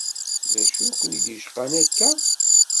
D acu i ken-id-icqan akka?